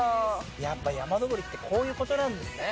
やっぱ山登りってこういうことなんですね。